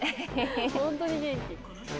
本当に元気。